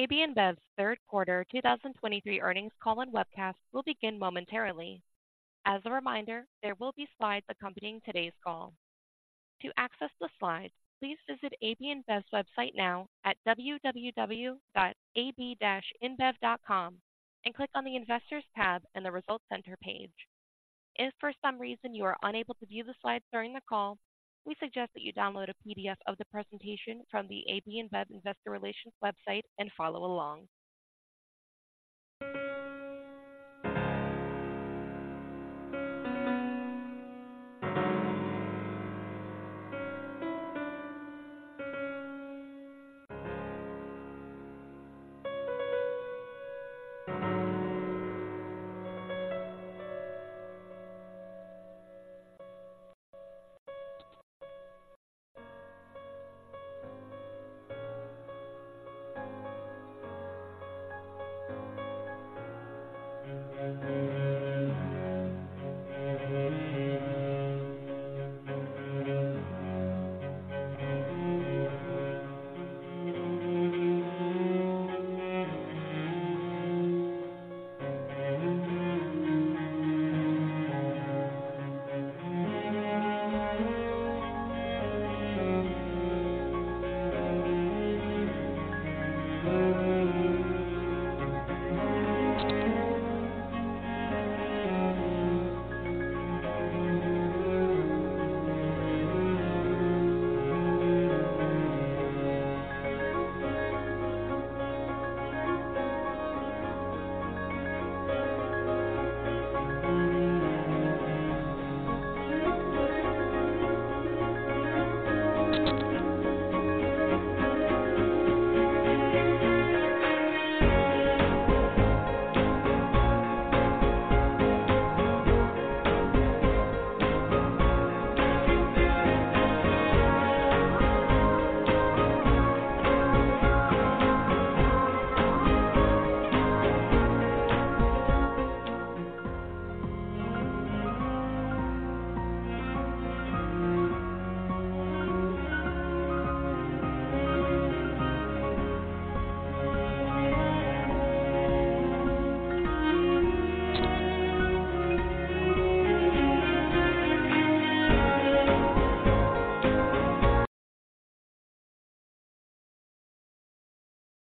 AB InBev's third quarter 2023 earnings call and webcast will begin momentarily. As a reminder, there will be slides accompanying today's call. To access the slides, please visit AB InBev's website now at www.ab-inbev.com and click on the Investors tab in the Results Center page. If for some reason you are unable to view the slides during the call, we suggest that you download a PDF of the presentation from the AB InBev Investor Relations website and follow along.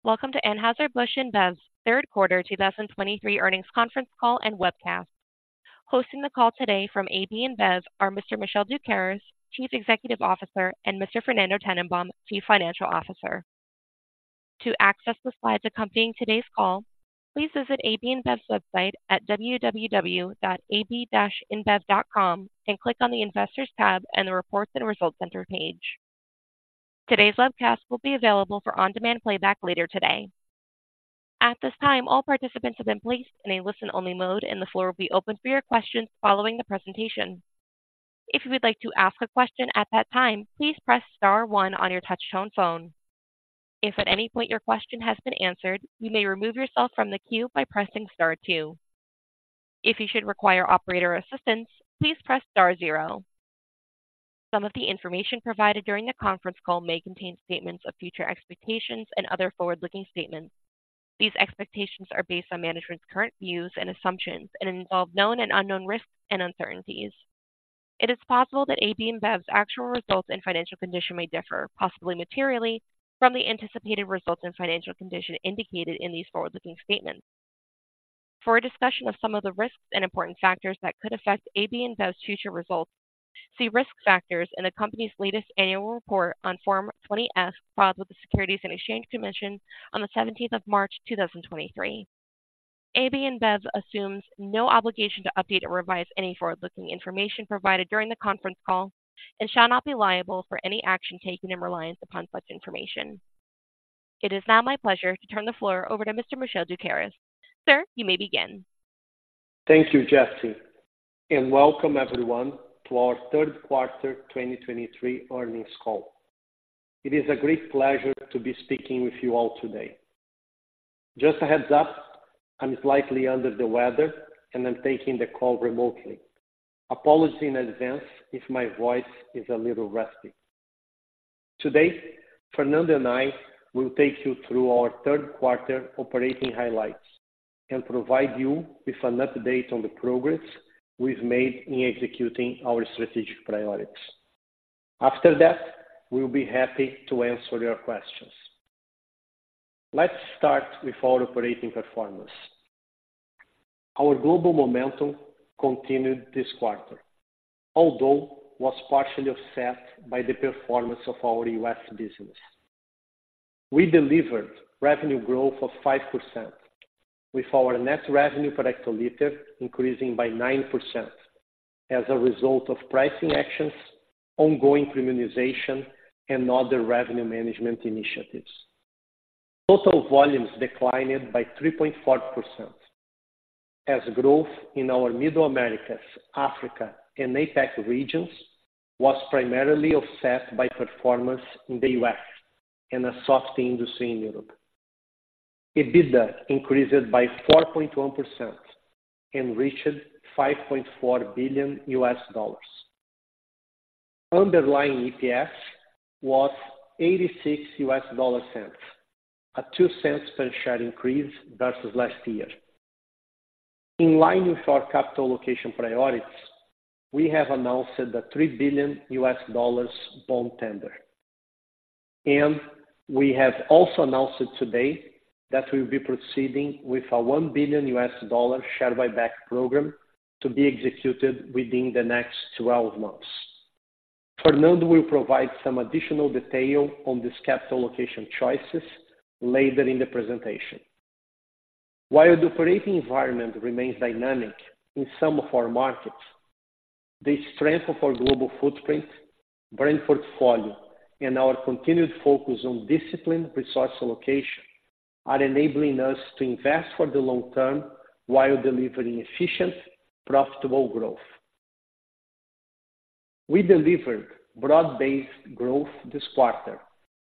Welcome to Anheuser-Busch InBev's third quarter 2023 earnings conference call and webcast. Hosting the call today from AB InBev are Mr. Michel Doukeris, Chief Executive Officer, and Mr. Fernando Tennenbaum, Chief Financial Officer. To access the slides accompanying today's call, please visit AB InBev's website at www.ab-inbev.com and click on the Investors tab in the Reports and Results Center page. Today's webcast will be available for on-demand playback later today. At this time, all participants have been placed in a listen-only mode, and the floor will be open for your questions following the presentation. If you would like to ask a question at that time, please press star one on your touchtone phone. If at any point your question has been answered, you may remove yourself from the queue by pressing star two. If you should require operator assistance, please press star zero. Some of the information provided during the conference call may contain statements of future expectations and other forward-looking statements. These expectations are based on management's current views and assumptions and involve known and unknown risks and uncertainties. It is possible that AB InBev's actual results and financial condition may differ, possibly materially, from the anticipated results and financial condition indicated in these forward-looking statements. For a discussion of some of the risks and important factors that could affect AB InBev's future results, see Risk Factors in the company's latest annual report on Form 20-F, filed with the Securities and Exchange Commission on the 17th of March, 2023. AB InBev assumes no obligation to update or revise any forward-looking information provided during the conference call and shall not be liable for any action taken in reliance upon such information. It is now my pleasure to turn the floor over to Mr. Michel Doukeris. Sir, you may begin. Thank you, Jesse, and welcome everyone to our third quarter 2023 earnings call. It is a great pleasure to be speaking with you all today. Just a heads up, I'm slightly under the weather, and I'm taking the call remotely. Apologies in advance if my voice is a little raspy. Today, Fernando and I will take you through our third quarter operating highlights and provide you with an update on the progress we've made in executing our strategic priorities. After that, we'll be happy to answer your questions. Let's start with our operating performance. Our global momentum continued this quarter, although was partially offset by the performance of our U.S. business. We delivered revenue growth of 5%, with our net revenue per hectoliter increasing by 9% as a result of pricing actions, ongoing premiumization, and other revenue management initiatives. Total volumes declined by 3.4%, as growth in our Middle Americas, Africa, and APAC regions was primarily offset by performance in the US and a soft industry in Europe. EBITDA increased by 4.1% and reached $5.4 billion. Underlying EPS was $0.86, a $0.02 per share increase versus last year. In line with our capital allocation priorities, we have announced the $3 billion bond tender, and we have also announced today that we'll be proceeding with our $1 billion share buyback program to be executed within the next 12 months. Fernando will provide some additional detail on this capital allocation choices later in the presentation. While the operating environment remains dynamic in some of our markets, the strength of our global footprint, brand portfolio, and our continued focus on disciplined resource allocation are enabling us to invest for the long term while delivering efficient, profitable growth. We delivered broad-based growth this quarter,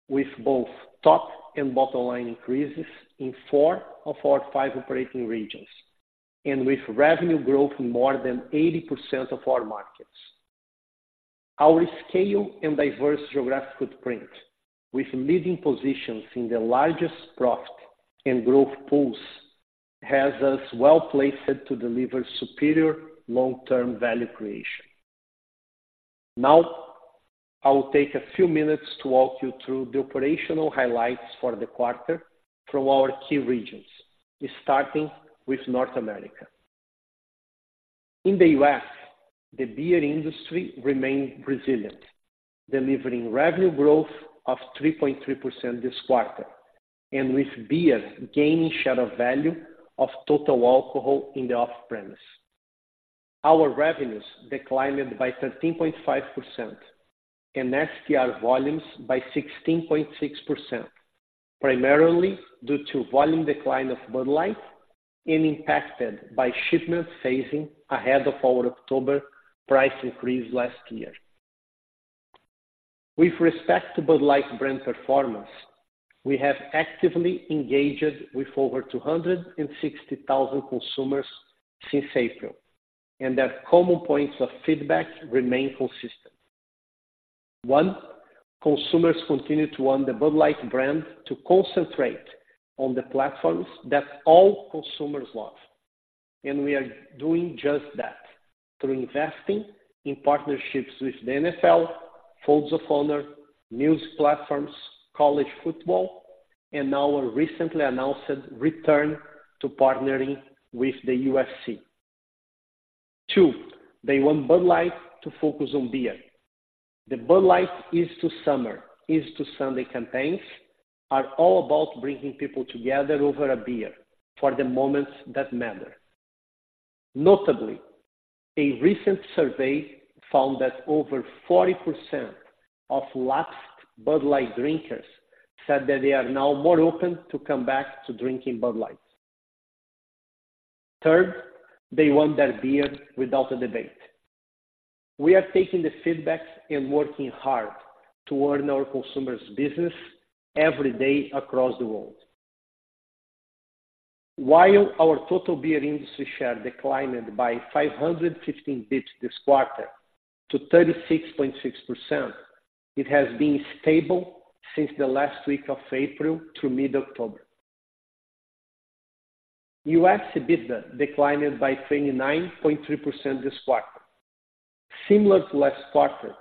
with both top and bottom line increases in four of our five operating regions, and with revenue growth in more than 80% of our markets. Our scale and diverse geographic footprint, with leading positions in the largest profit and growth pools, has us well-placed to deliver superior long-term value creation. Now, I will take a few minutes to walk you through the operational highlights for the quarter from our key regions, starting with North America. In the U.S., the beer industry remained resilient, delivering revenue growth of 3.3% this quarter, and with beer gaining share of value of total alcohol in the off-premise. Our revenues declined by 13.5%, and SDR volumes by 16.6%, primarily due to volume decline of Bud Light and impacted by shipment phasing ahead of our October price increase last year. With respect to Bud Light brand performance, we have actively engaged with over 260,000 consumers since April, and their common points of feedback remain consistent. One, consumers continue to want the Bud Light brand to concentrate on the platforms that all consumers love, and we are doing just that through investing in partnerships with the NFL, Folds of Honor, news platforms, college football, and our recently announced return to partnering with the UFC. Two, they want Bud Light to focus on beer. The Bud Light Easy to Summer, Easy to Sunday campaigns are all about bringing people together over a beer for the moments that matter. Notably, a recent survey found that over 40% of lapsed Bud Light drinkers said that they are now more open to come back to drinking Bud Light. Third, they want their beer without a debate. We are taking the feedback and working hard to earn our consumers' business every day across the world. While our total beer industry share declined by 515 basis points this quarter to 36.6%, it has been stable since the last week of April through mid-October. U.S. EBITDA declined by 29.3 this quarter. Similar to last quarter,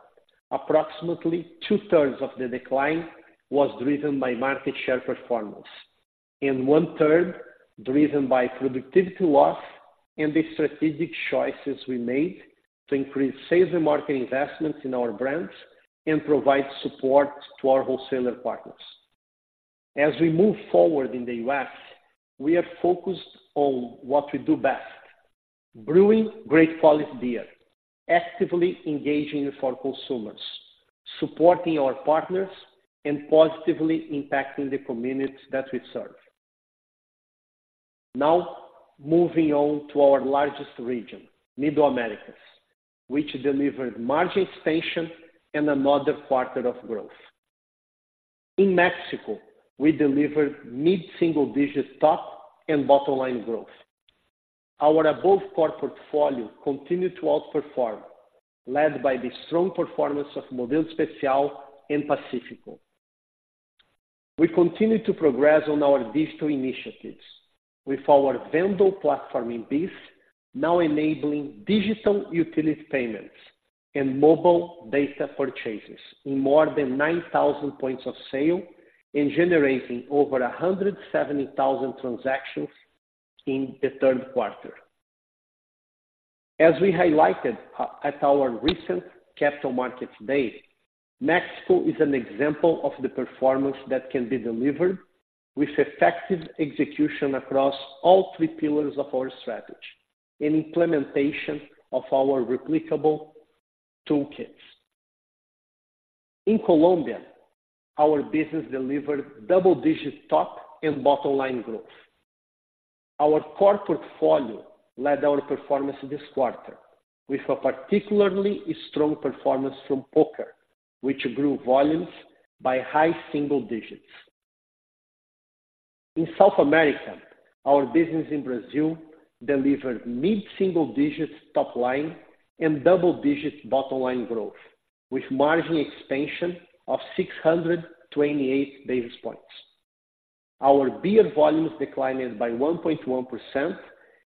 approximately two-thirds of the decline was driven by market share performance and one-third driven by productivity loss and the strategic choices we made to increase sales and marketing investments in our brands and provide support to our wholesaler partners. As we move forward in the U.S., we are focused on what we do best: brewing great quality beer, actively engaging for our consumers, supporting our partners, and positively impacting the communities that we serve. Now, moving on to our largest region, Middle Americas, which delivered margin expansion and another quarter of growth. In Mexico, we delivered mid-single-digit top and bottom line growth. Our above core portfolio continued to outperform, led by the strong performance of Modelo Especial and Pacífico. We continue to progress on our digital initiatives, with our Vendo platform in BEES, now enabling digital utility payments and mobile data purchases in more than 9,000 points of sale and generating over 170,000 transactions in the third quarter. As we highlighted at our recent Capital Markets Day, Mexico is an example of the performance that can be delivered with effective execution across all three pillars of our strategy and implementation of our replicable toolkits. In Colombia, our business delivered double-digit top and bottom line growth. Our core portfolio led our performance this quarter with a particularly strong performance from Poker, which grew volumes by high single digits. In South America, our business in Brazil delivered mid-single digits top line and double-digit bottom line growth, with margin expansion of 628 basis points. Our beer volumes declined by 1.1%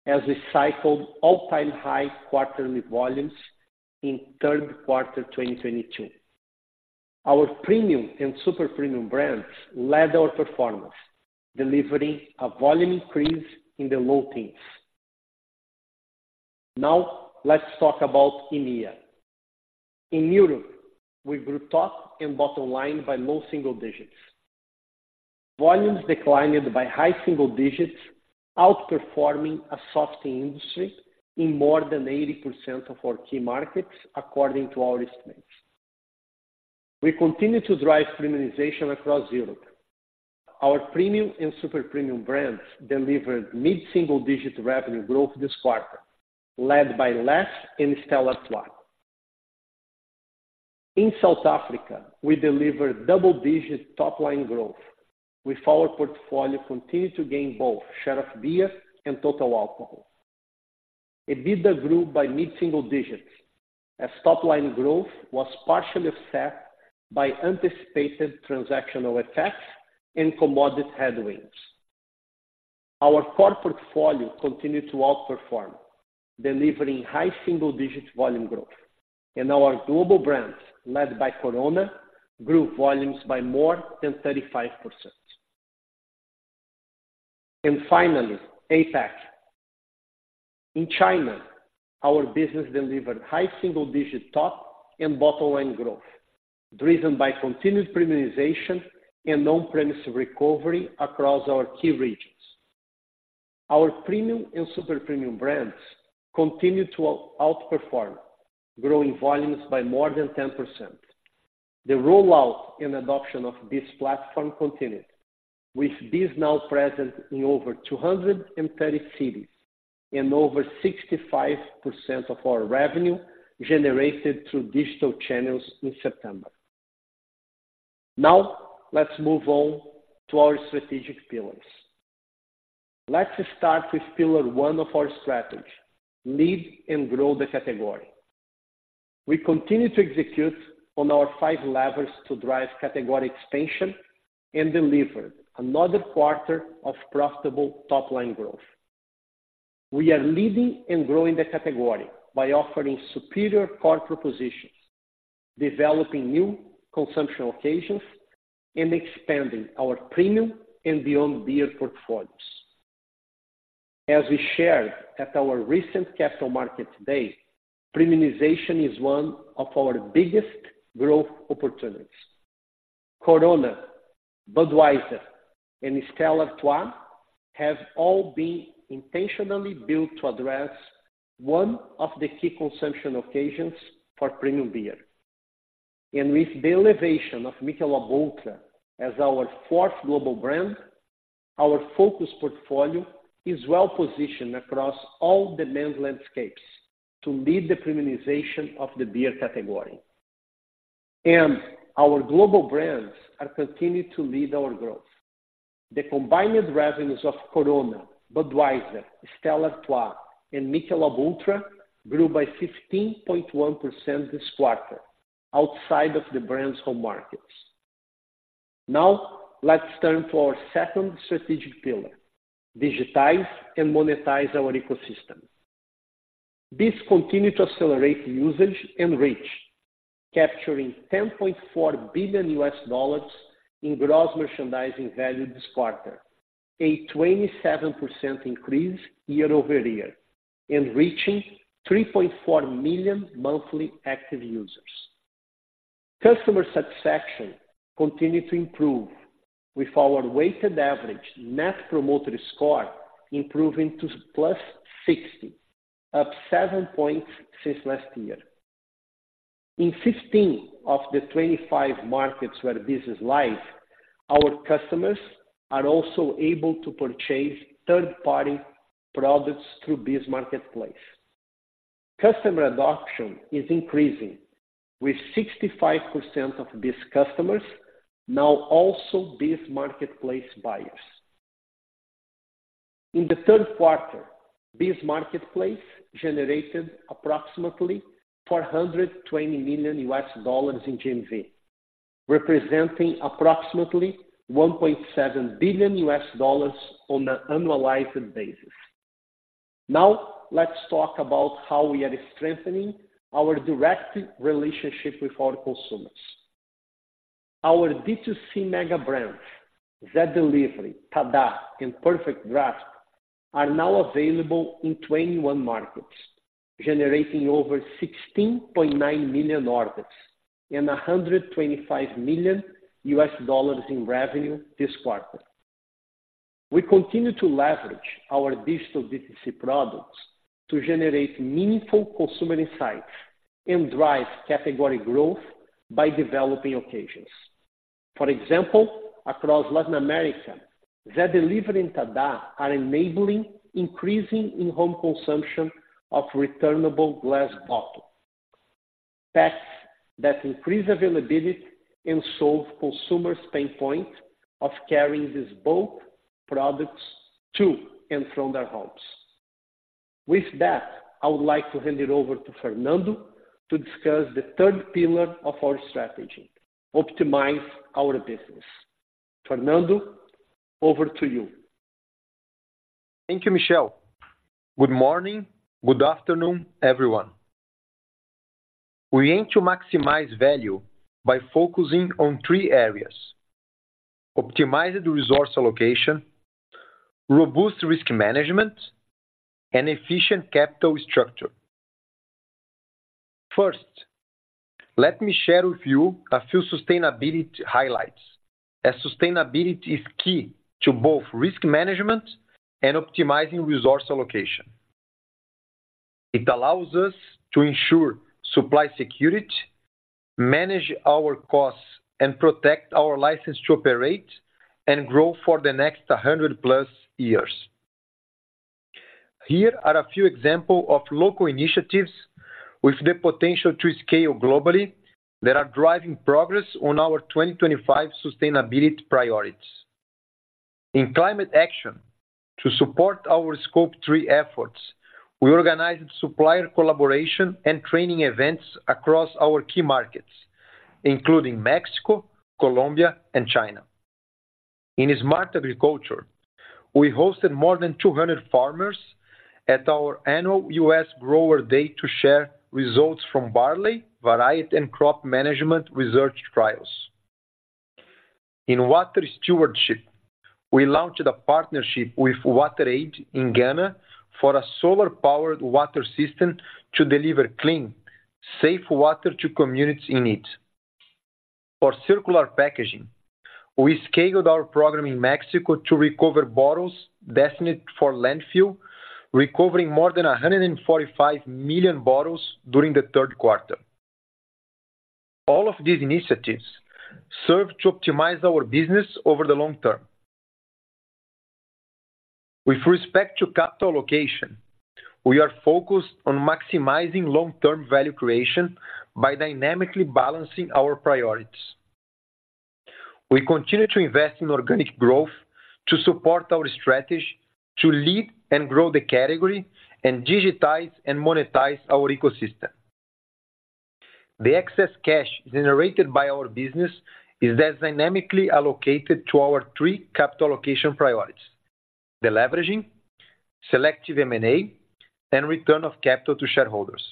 as we cycled all-time high quarterly volumes in third quarter, 2022. Our premium and super premium brands led our performance, delivering a volume increase in the low teens. Now, let's talk about EMEA. In Europe, we grew top and bottom line by low single digits. Volumes declined by high single digits, outperforming a soft industry in more than 80% of our key markets, according to our estimates. We continue to drive premiumization across Europe. Our premium and super premium brands delivered mid-single digit revenue growth this quarter, led by Leffe and Stella Artois. In South Africa, we delivered double-digit top line growth, with our portfolio continued to gain both share of beer and total alcohol. EBITDA grew by mid-single digits, as top line growth was partially offset by anticipated transactional effects and commodity headwinds. Our core portfolio continued to outperform, delivering high single-digit volume growth, and our global brands, led by Corona, grew volumes by more than 35%. And finally, APAC. In China, our business delivered high single-digit top and bottom line growth, driven by continued premiumization and on-premise recovery across our key regions. Our premium and super premium brands continued to outperform, growing volumes by more than 10%. The rollout and adoption of BEES platform continued, with BEES now present in over 230 cities and over 65% of our revenue generated through digital channels in September. Now, let's move on to our strategic pillars. Let's start with pillar one of our strategy: lead and grow the category. We continue to execute on our five levers to drive category expansion and deliver another quarter of profitable top-line growth. We are leading and growing the category by offering superior core propositions, developing new consumption occasions, and expanding our premium and beyond beer portfolios. As we shared at our recent Capital Market Day, premiumization is one of our biggest growth opportunities. Corona, Budweiser, and Stella Artois have all been intentionally built to address one of the key consumption occasions for premium beer. With the elevation of Michelob ULTRA as our fourth global brand, our focus portfolio is well positioned across all demand landscapes to lead the premiumization of the beer category. Our global brands are continued to lead our growth. The combined revenues of Corona, Budweiser, Stella Artois, and Michelob ULTRA grew by 15.1% this quarter outside of the brand's home markets. Now, let's turn to our second strategic pillar: digitize and monetize our ecosystem. This continued to accelerate usage and reach, capturing $10.4 billion in gross merchandising value this quarter, a 27% increase year-over-year, and reaching 3.4 million monthly active users. Customer satisfaction continued to improve, with our weighted average net promoter score improving to +60, up 7 points since last year. In 15 of the 25 markets where BEES is live, our customers are also able to purchase third-party products through BEES Marketplace. Customer adoption is increasing, with 65% of BEES customers now also BEES Marketplace buyers. In the third quarter, BEES Marketplace generated approximately $420 million in GMV, representing approximately $1.7 billion on an annualized basis. Now, let's talk about how we are strengthening our direct relationship with our consumers. Our D2C mega brands, Zé Delivery, TaDa, and PerfectDraft, are now available in 21 markets, generating over 16.9 million orders and $125 million in revenue this quarter. We continue to leverage our digital D2C products to generate meaningful consumer insights and drive category growth by developing occasions. For example, across Latin America, Zé Delivery and TaDa are enabling increasing in-home consumption of returnable glass bottles, paths that increase availability and solve consumers' pain point of carrying these bulk products to and from their homes. With that, I would like to hand it over to Fernando to discuss the third pillar of our strategy: optimize our business. Fernando, over to you. Thank you, Michel. Good morning, good afternoon, everyone. We aim to maximize value by focusing on three areas: optimized resource allocation, robust risk management, and efficient capital structure. First, let me share with you a few sustainability highlights, as sustainability is key to both risk management and optimizing resource allocation. It allows us to ensure supply security, manage our costs, and protect our license to operate and grow for the next 100+ years. Here are a few example of local initiatives with the potential to scale globally that are driving progress on our 2025 sustainability priorities. In climate action, to support our Scope 3 efforts, we organized supplier collaboration and training events across our key markets, including Mexico, Colombia, and China. In smart agriculture, we hosted more than 200 farmers at our annual US Grower Day to share results from barley, variety, and crop management research trials. In water stewardship, we launched a partnership with WaterAid in Ghana for a solar-powered water system to deliver clean, safe water to communities in need. For circular packaging, we scaled our program in Mexico to recover bottles destined for landfill, recovering more than 145 million bottles during the third quarter. All of these initiatives serve to optimize our business over the long term. With respect to capital allocation, we are focused on maximizing long-term value creation by dynamically balancing our priorities. We continue to invest in organic growth to support our strategy, to lead and grow the category, and digitize and monetize our ecosystem. The excess cash generated by our business is as dynamically allocated to our three capital allocation priorities: deleveraging, selective M&A, and return of capital to shareholders.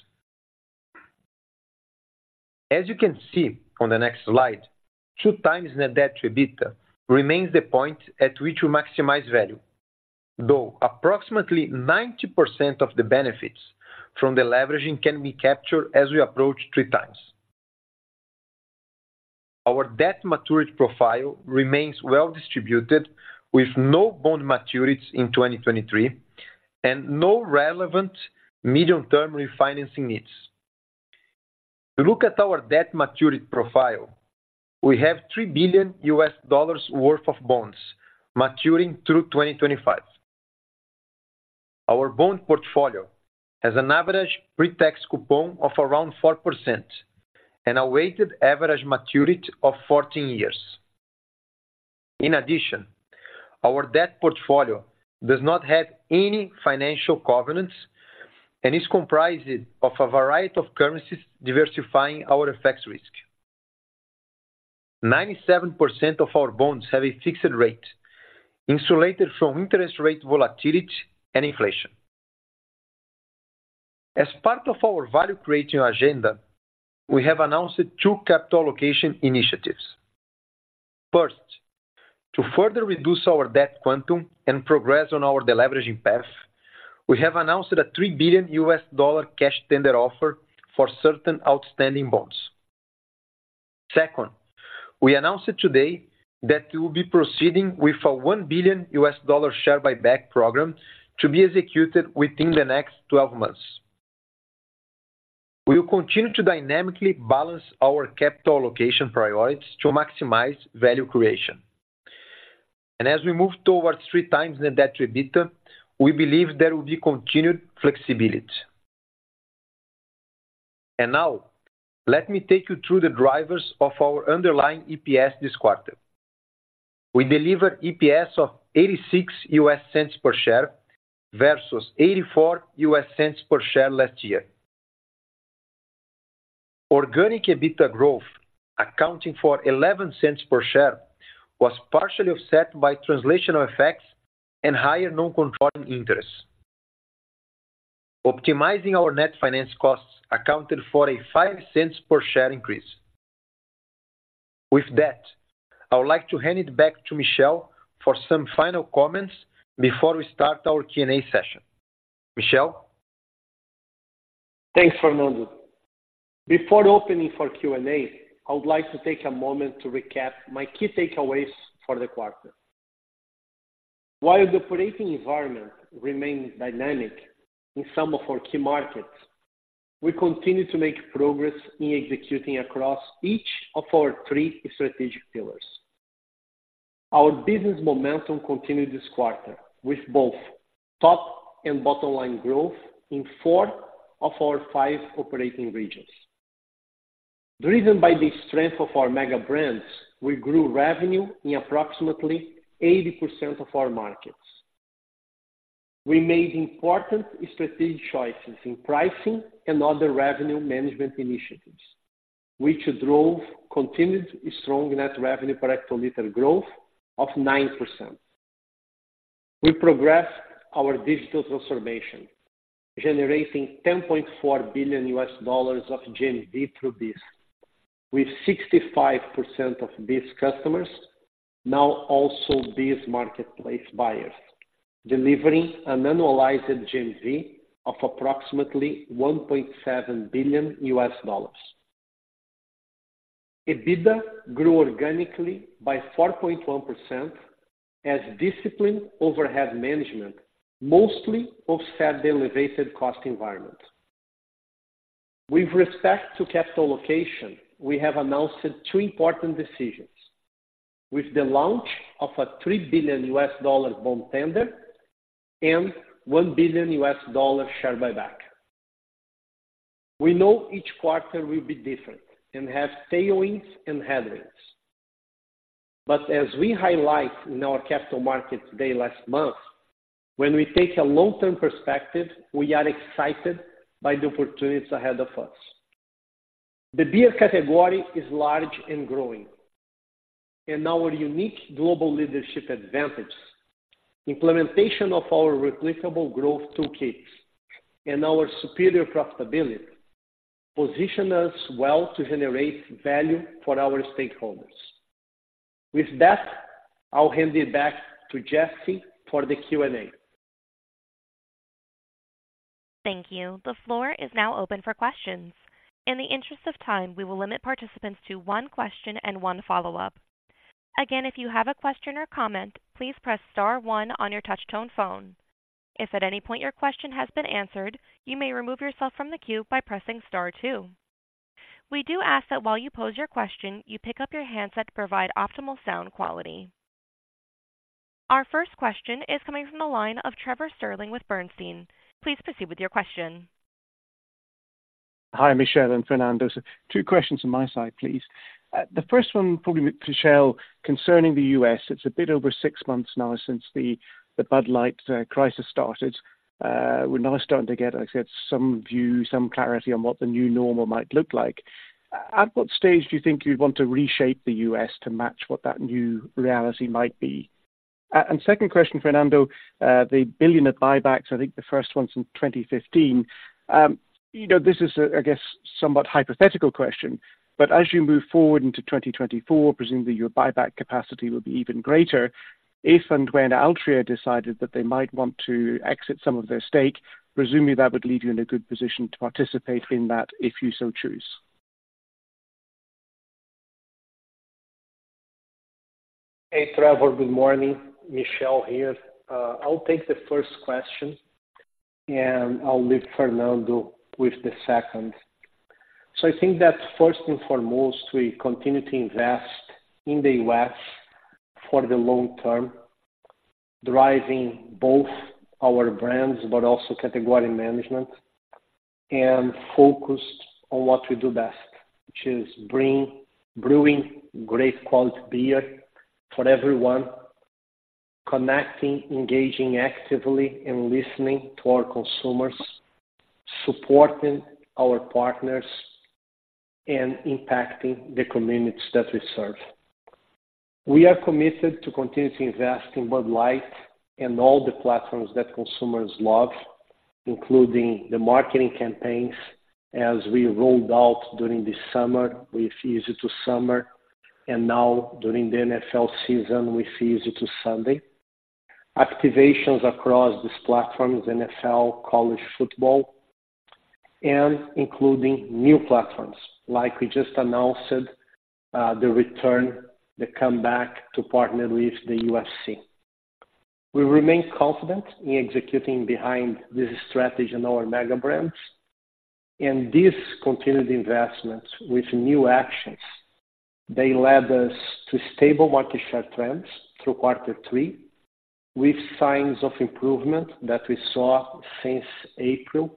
As you can see on the next slide, 2x net debt to EBITDA remains the point at which we maximize value, though approximately 90% of the benefits from the leveraging can be captured as we approach 3x. Our debt maturity profile remains well distributed, with no bond maturities in 2023 and no relevant medium-term refinancing needs. To look at our debt maturity profile, we have $3 billion worth of bonds maturing through 2025. Our bond portfolio has an average pre-tax coupon of around 4% and a weighted average maturity of 14 years. In addition, our debt portfolio does not have any financial covenants and is comprised of a variety of currencies, diversifying our FX risk. 97% of our bonds have a fixed rate, insulated from interest rate volatility and inflation. As part of our value creation agenda, we have announced two capital allocation initiatives. First, to further reduce our debt quantum and progress on our deleveraging path, we have announced a $3 billion cash tender offer for certain outstanding bonds. Second, we announced today that we will be proceeding with a $1 billion share buyback program to be executed within the next 12 months. We will continue to dynamically balance our capital allocation priorities to maximize value creation. And as we move towards 3x net debt to EBITDA, we believe there will be continued flexibility. And now, let me take you through the drivers of our underlying EPS this quarter. We delivered EPS of $0.86 per share, versus $0.84 per share last year. Organic EBITDA growth, accounting for $0.11 per share, was partially offset by translational effects and higher non-controlling interests. Optimizing our net finance costs accounted for a $0.05 per share increase. With that, I would like to hand it back to Michel for some final comments before we start our Q&A session. Michel? Thanks, Fernando. Before opening for Q&A, I would like to take a moment to recap my key takeaways for the quarter. While the operating environment remains dynamic in some of our key markets, we continue to make progress in executing across each of our three strategic pillars. Our business momentum continued this quarter, with both top and bottom-line growth in four of our five operating regions. Driven by the strength of our mega brands, we grew revenue in approximately 80% of our markets. We made important strategic choices in pricing and other revenue management initiatives, which drove continued strong net revenue per hectoliter growth of 9%. We progressed our digital transformation, generating $10.4 billion of GMV through BEES, with 65% of BEES customers now also BEES marketplace buyers, delivering an annualized GMV of approximately $1.7 billion. EBITDA grew organically by 4.1%, as disciplined overhead management mostly offset the elevated cost environment. With respect to capital allocation, we have announced two important decisions, with the launch of a $3 billion bond tender and $1 billion share buyback. We know each quarter will be different and have tailwinds and headwinds, but as we highlight in our Capital Markets Day last month, when we take a long-term perspective, we are excited by the opportunities ahead of us. The beer category is large and growing, and our unique global leadership advantage, implementation of our replicable growth toolkits, and our superior profitability position us well to generate value for our stakeholders. With that, I'll hand it back to Jesse for the Q&A. Thank you. The floor is now open for questions. In the interest of time, we will limit participants to one question and one follow-up. Again, if you have a question or comment, please press star one on your touchtone phone. If at any point your question has been answered, you may remove yourself from the queue by pressing star two. We do ask that while you pose your question, you pick up your handset to provide optimal sound quality. Our first question is coming from the line of Trevor Stirling with Bernstein. Please proceed with your question. Hi, Michel and Fernando. Two questions on my side, please. The first one, probably, Michel, concerning the U.S. It's a bit over six months now since the Bud Light crisis started. We're now starting to get, I guess, some view, some clarity on what the new normal might look like. At what stage do you think you'd want to reshape the U.S. to match what that new reality might be? And second question, Fernando, the $1 billion of buybacks, I think the first one's in 2015. You know, this is, I guess, somewhat hypothetical question, but as you move forward into 2024, presumably your buyback capacity will be even greater. If and when Altria decided that they might want to exit some of their stake, presumably that would leave you in a good position to participate in that, if you so choose. Hey, Trevor. Good morning. Michel here. I'll take the first question, and I'll leave Fernando with the second. So I think that first and foremost, we continue to invest in the U.S. for the long term, driving both our brands, but also category management, and focused on what we do best, which is brewing great quality beer for everyone, connecting, engaging actively and listening to our consumers, supporting our partners, and impacting the communities that we serve. We are committed to continue to invest in Bud Light and all the platforms that consumers love, including the marketing campaigns as we rolled out during the summer with Easy to Summer, and now during the NFL season with Easy to Sunday. Activations across these platforms, NFL, college football, and including new platforms, like we just announced, the return, the comeback to partner with the UFC. We remain confident in executing behind this strategy and our mega brands, and this continued investment with new actions, they led us to stable market share trends through quarter three, with signs of improvement that we saw since April.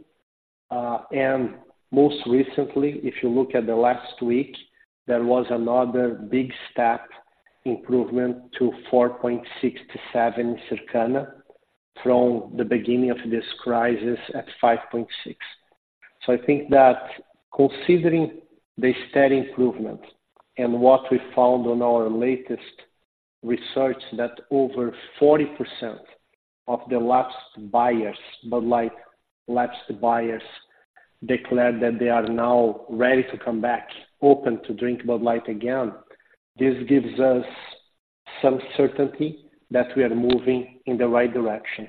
And most recently, if you look at the last week, there was another big step improvement to 4.67 in Circana from the beginning of this crisis at 5.6. So I think that considering the steady improvement and what we found on our latest research, that over 40% of the lapsed buyers, Bud Light lapsed buyers, declared that they are now ready to come back, open to drink Bud Light again, this gives us some certainty that we are moving in the right direction.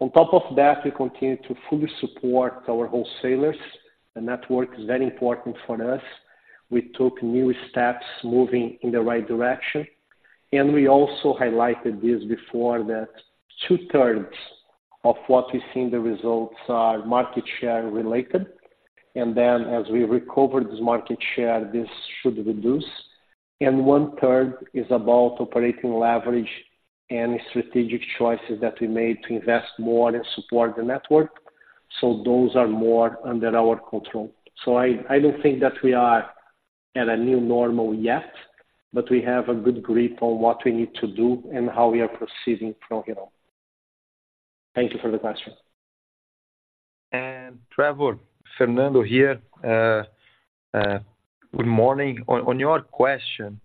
On top of that, we continue to fully support our wholesalers. The network is very important for us. We took new steps moving in the right direction, and we also highlighted this before, that two-thirds of what we see in the results are market share related. And then as we recover this market share, this should reduce. And one-third is about operating leverage and strategic choices that we made to invest more and support the network. So those are more under our control. So I, I don't think that we are at a new normal yet, but we have a good grip on what we need to do and how we are proceeding from here on. Thank you for the question. And Trevor, Fernando here. Good morning. On your question,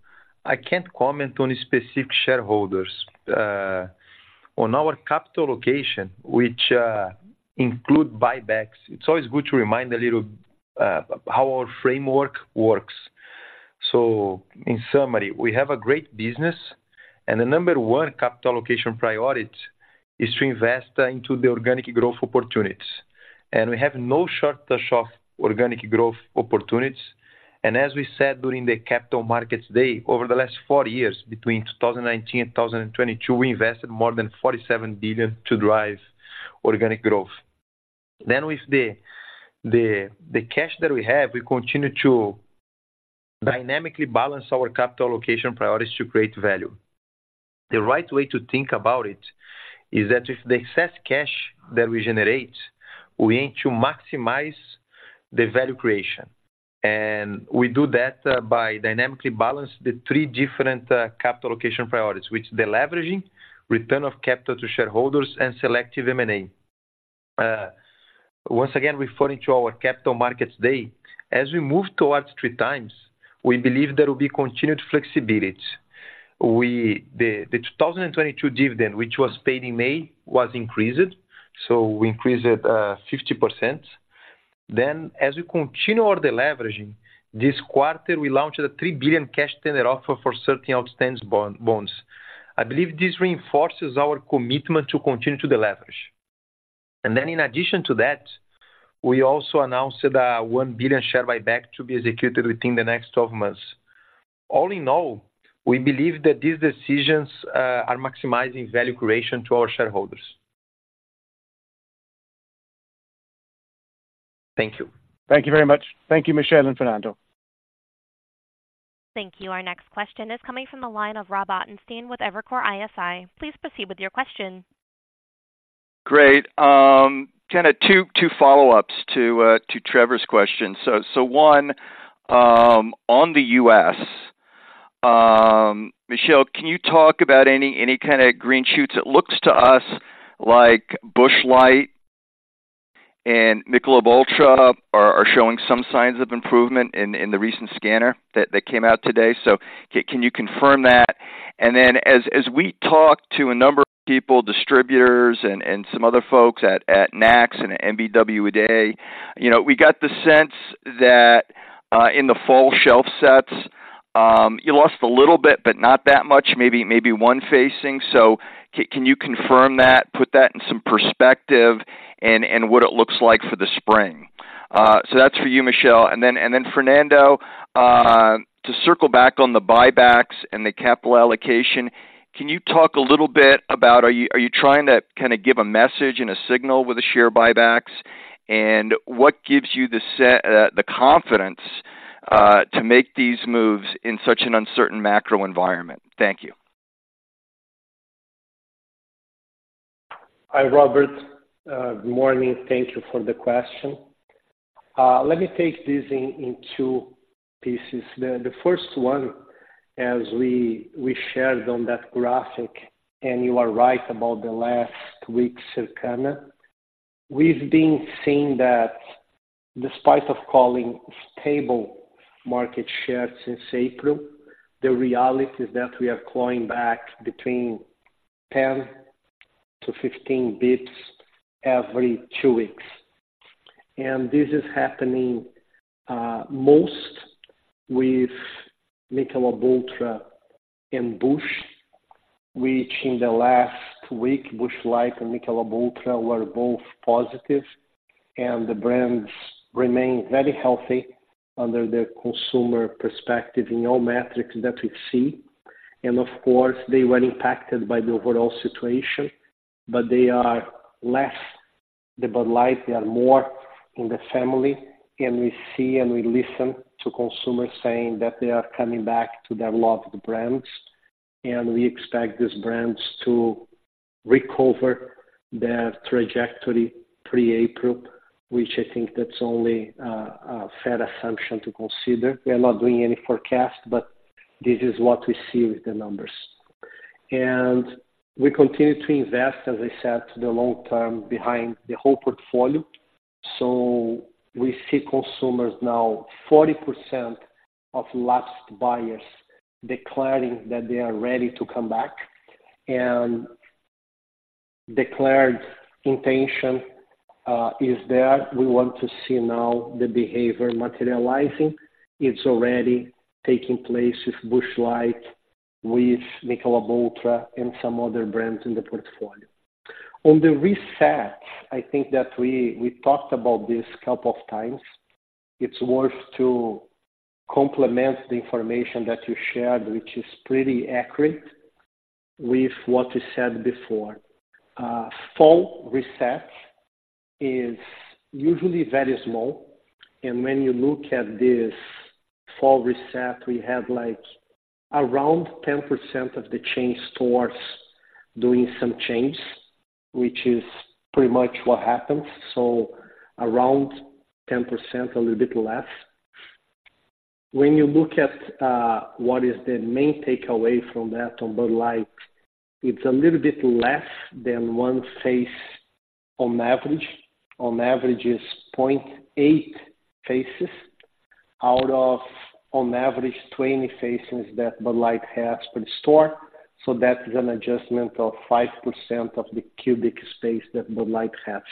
I can't comment on specific shareholders. On our capital allocation, which include buybacks, it's always good to remind a little how our framework works. So in summary, we have a great business, and the number one capital allocation priority is to invest into the organic growth opportunities. And we have no shortage of organic growth opportunities. And as we said, during the capital markets day, over the last four years, between 2019 and 2022, we invested more than $47 billion to drive organic growth. Then with the cash that we have, we continue to dynamically balance our capital allocation priorities to create value. The right way to think about it is that if the excess cash that we generate, we aim to maximize the value creation, and we do that by dynamically balance the three different, capital allocation priorities, which deleveraging, return of capital to shareholders, and selective M&A. Once again, referring to our capital markets day, as we move towards three times, we believe there will be continued flexibility. The 2022 dividend, which was paid in May, was increased, so we increased 50%. Then, as we continue our deleveraging, this quarter, we launched a $3 billion cash tender offer for certain outstanding bonds. I believe this reinforces our commitment to continue to deleverage. And then in addition to that, we also announced a $1 billion share buyback to be executed within the next 12 months. All in all, we believe that these decisions are maximizing value creation to our shareholders. Thank you. Thank you very much. Thank you, Michel and Fernando. Thank you. Our next question is coming from the line of Rob Ottenstein with Evercore ISI. Please proceed with your question. Great. Kind of two follow-ups to Trevor's question. So one, on the U.S., Michel, can you talk about any kind of green shoots? It looks to us like Busch Light and Michelob ULTRA are showing some signs of improvement in the recent scanner that came out today. So can you confirm that? And then as we talk to a number of people, distributors and some other folks at NACS and NBWA, you know, we got the sense that in the fall shelf sets, you lost a little bit, but not that much, maybe one facing. So can you confirm that, put that in some perspective and what it looks like for the spring? So that's for you, Michel. And then Fernando, to circle back on the buybacks and the capital allocation, can you talk a little bit about are you trying to kind of give a message and a signal with the share buybacks? And what gives you the confidence to make these moves in such an uncertain macro environment? Thank you. Hi, Robert. Good morning. Thank you for the question. Let me take this in two pieces. The first one, as we shared on that graphic, and you are right about the last week's Circana. We've been seeing that despite of calling stable market share since April, the reality is that we are clawing back between 10-15 basis points every two weeks. And this is happening most with Michelob ULTRA and Busch, which in the last week, Busch Light and Michelob ULTRA were both positive, and the brands remain very healthy under the consumer perspective in all metrics that we see. And of course, they were impacted by the overall situation, but they are less than Bud Light. They are more in the family, and we see and we listen to consumers saying that they are coming back to their loved brands, and we expect these brands to recover their trajectory pre-April, which I think that's only a fair assumption to consider. We are not doing any forecast, but this is what we see with the numbers. We continue to invest, as I said, the long term behind the whole portfolio. We see consumers now, 40% of lapsed buyers declaring that they are ready to come back, and declared intention is there. We want to see now the behavior materializing. It's already taking place with Busch Light, with Michelob ULTRA, and some other brands in the portfolio. On the reset, I think that we talked about this a couple of times. It's worth to complement the information that you shared, which is pretty accurate, with what we said before. Fall reset is usually very small, and when you look at this fall reset, we had, like, around 10% of the chain stores doing some changes, which is pretty much what happens, so around 10%, a little bit less. When you look at what is the main takeaway from that on Bud Light, it's a little bit less than one face on average. On average, it's 0.8 faces out of, on average, 20 faces that Bud Light has per store, so that is an adjustment of 5% of the cubic space that Bud Light has.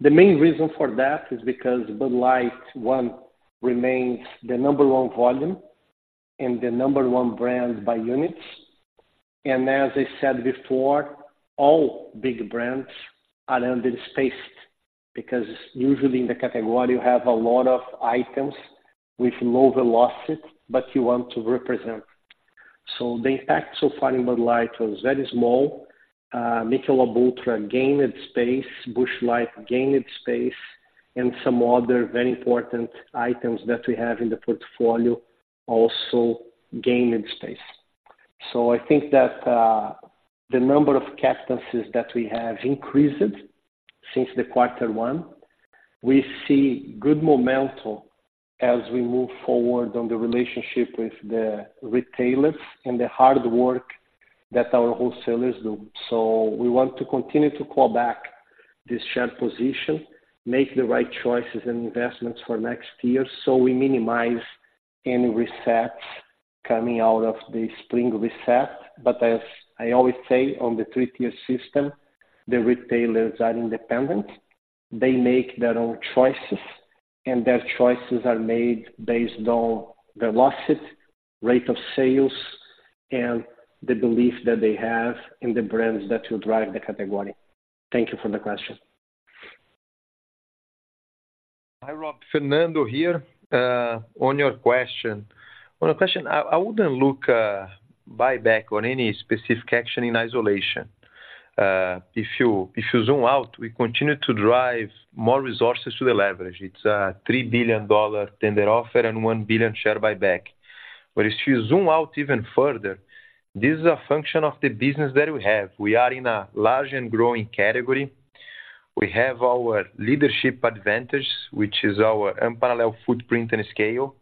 The main reason for that is because Bud Light, one, remains the number one volume and the number one brand by units. As I said before, all big brands are underspaced, because usually in the category, you have a lot of items with low velocity, but you want to represent. So the impact so far in Bud Light was very small. Michelob ULTRA gained space, Busch Light gained space, and some other very important items that we have in the portfolio also gained space. So I think that the number of facings that we have increased since the quarter one, we see good momentum as we move forward on the relationship with the retailers and the hard work that our wholesalers do. So we want to continue to claw back this share position, make the right choices and investments for next year, so we minimize any resets coming out of the spring reset. But as I always say, on the three-tier system, the retailers are independent. They make their own choices, and their choices are made based on velocity, rate of sales, and the belief that they have in the brands that will drive the category. Thank you for the question. Hi, Rob. Fernando here. On your question, I wouldn't look buyback on any specific action in isolation. If you zoom out, we continue to drive more resources to the leverage. It's a $3 billion tender offer and $1 billion share buyback. But if you zoom out even further, this is a function of the business that we have. We are in a large and growing category. We have our leadership advantage, which is our unparalleled footprint and scale.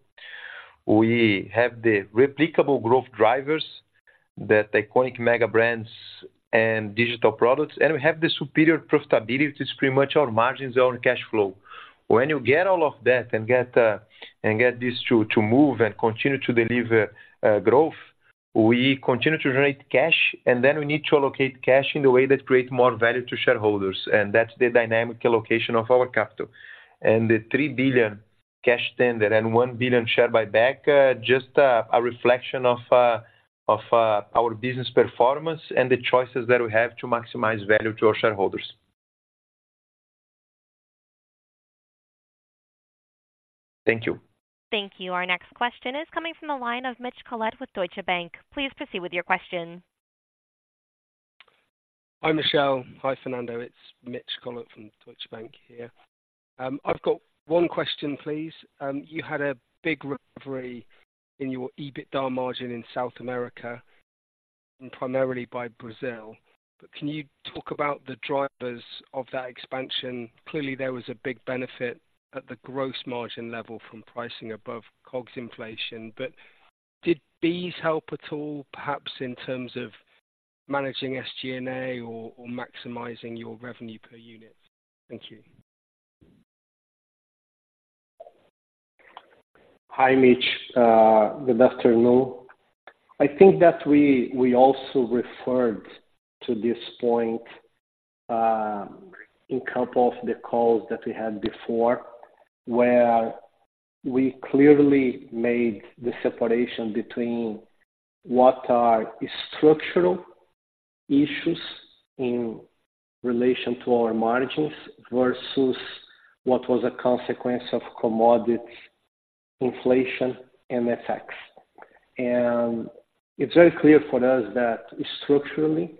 We have the replicable growth drivers, that iconic mega brands and digital products, and we have the superior profitability, which is pretty much our margins, our own cash flow. When you get all of that and get this to move and continue to deliver growth, we continue to generate cash, and then we need to allocate cash in a way that creates more value to shareholders, and that's the dynamic allocation of our capital. And the $3 billion cash tender and $1 billion share buyback, just a reflection of our business performance and the choices that we have to maximize value to our shareholders. Thank you. Thank you. Our next question is coming from the line of Mitch Collett with Deutsche Bank. Please proceed with your question. Hi, Michel. Hi, Fernando. It's Mitch Collett from Deutsche Bank here. I've got one question, please. You had a big recovery in your EBITDA margin in South America, primarily by Brazil, but can you talk about the drivers of that expansion? Clearly, there was a big benefit at the gross margin level from pricing above COGS inflation, but did these help at all, perhaps in terms of managing SG&A or, or maximizing your revenue per unit? Thank you. Hi, Mitch. Good afternoon. I think that we, we also referred to this point, in a couple of the calls that we had before, where we clearly made the separation between what are structural issues in relation to our margins versus what was a consequence of commodity inflation and FX. And it's very clear for us that structurally,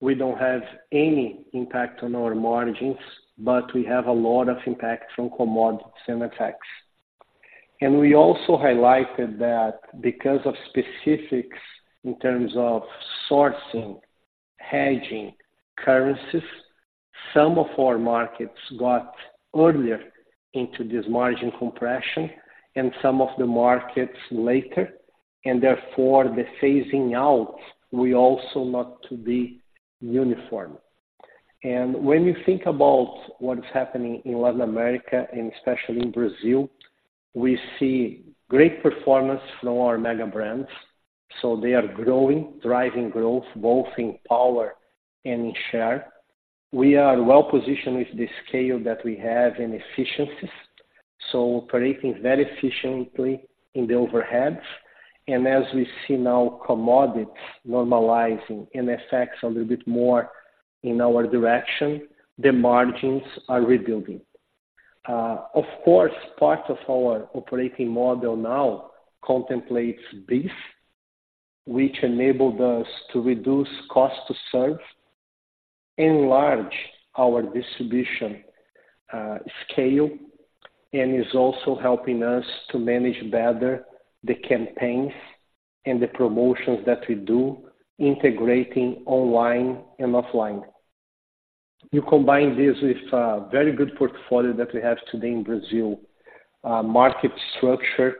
we don't have any impact on our margins, but we have a lot of impact from commodities and FX. And we also highlighted that because of specifics in terms of sourcing, hedging, currencies, some of our markets got earlier into this margin compression and some of the markets later, and therefore, the phasing out will also not to be uniform. When you think about what is happening in Latin America, and especially in Brazil, we see great performance from our mega brands, so they are growing, driving growth both in power and in share. We are well positioned with the scale that we have in efficiencies, so operating very efficiently in the overheads. As we see now, commodities normalizing and effects a little bit more in our direction, the margins are rebuilding. Of course, part of our operating model now contemplates this, which enabled us to reduce cost to serve, enlarge our distribution, scale, and is also helping us to manage better the campaigns and the promotions that we do, integrating online and offline. You combine this with a very good portfolio that we have today in Brazil, market structure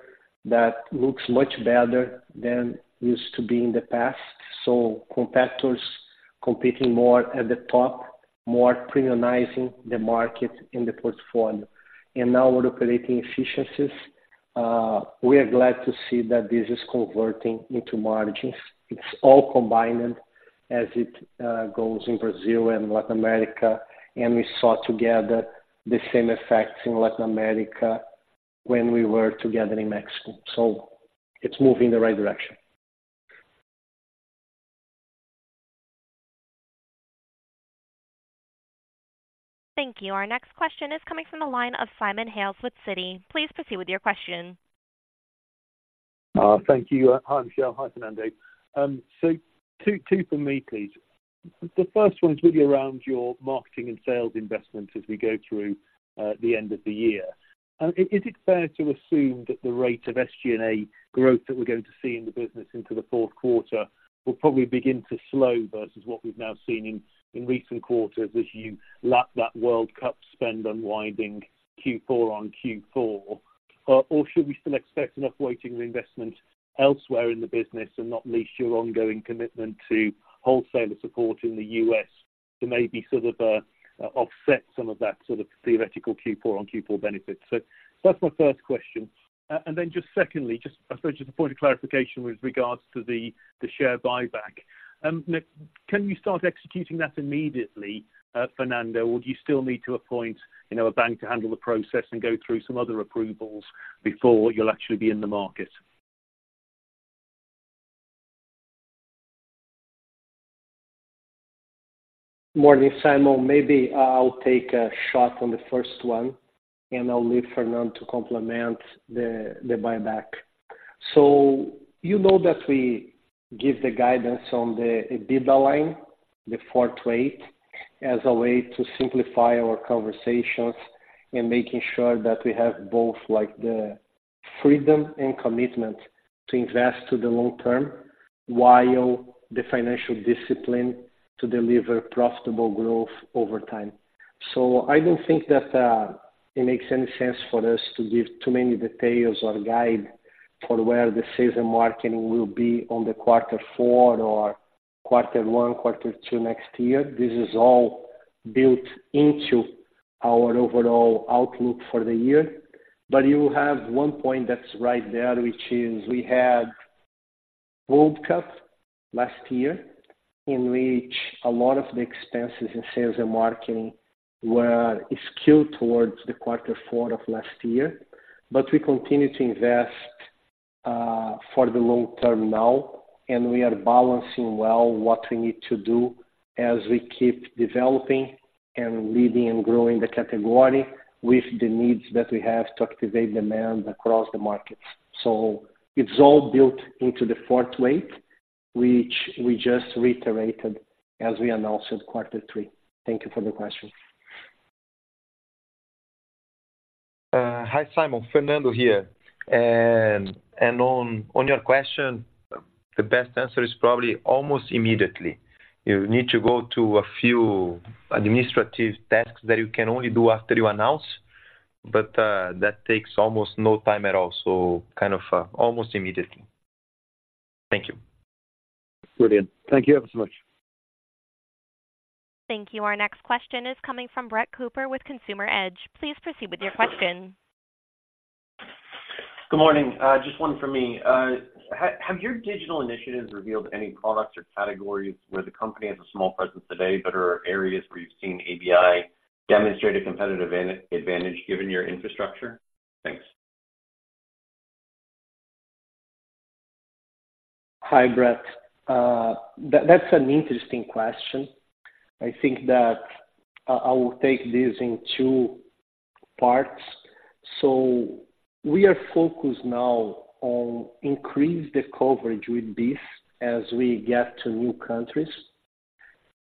that looks much better than it used to be in the past. So competitors competing more at the top, more premiumizing the market and the portfolio. And now we're operating efficiencies. We are glad to see that this is converting into margins. It's all combined as it goes in Brazil and Latin America, and we saw together the same effects in Latin America when we were together in Mexico. So it's moving in the right direction. Thank you. Our next question is coming from the line of Simon Hales with Citi. Please proceed with your question. Thank you. Hi, Michel. Hi, Fernando. So two for me, please. The first one is really around your marketing and sales investment as we go through the end of the year. Is it fair to assume that the rate of SG&A growth that we're going to see in the business into the fourth quarter will probably begin to slow versus what we've now seen in recent quarters as you lap that World Cup spend unwinding Q4 on Q4? Or should we still expect enough weighting investment elsewhere in the business, and not least your ongoing commitment to wholesaler support in the US, to maybe sort of offset some of that sort of theoretical Q4 on Q4 benefits? So that's my first question. And then just secondly, I suppose, a point of clarification with regards to the share buyback. Can you start executing that immediately, Fernando, or do you still need to appoint, you know, a bank to handle the process and go through some other approvals before you'll actually be in the market? Morning, Simon. Maybe I'll take a shot on the first one, and I'll leave Fernando to complement the buyback. So you know that we give the guidance on the EBITDA line, the fourth quarter, as a way to simplify our conversations and making sure that we have both, like, the freedom and commitment to invest to the long term, while the financial discipline to deliver profitable growth over time. So I don't think that it makes any sense for us to give too many details or guide for where the sales and marketing will be on the quarter four or quarter one, quarter two next year. This is all built into our overall outlook for the year. But you have one point that's right there, which is we had World Cup last year, in which a lot of the expenses in sales and marketing were skewed towards the quarter four of last year. But we continue to invest for the long term now, and we are balancing well what we need to do as we keep developing and leading and growing the category with the needs that we have to activate demand across the markets. So it's all built into the fourth quarter, which we just reiterated as we announced in quarter three. Thank you for the question. Hi, Simon. Fernando here, and on your question, the best answer is probably almost immediately. You need to go to a few administrative tasks that you can only do after you announce, but that takes almost no time at all. So kind of, almost immediately. Thank you. Brilliant. Thank you ever so much. Thank you. Our next question is coming from Brett Cooper with Consumer Edge. Please proceed with your question. Good morning. Just one for me. Have your digital initiatives revealed any products or categories where the company has a small presence today, but are areas where you've seen ABI demonstrate a competitive advantage given your infrastructure? Thanks. Hi, Brett. That's an interesting question. I think that I will take this in two parts. So we are focused now on increase the coverage with this as we get to new countries,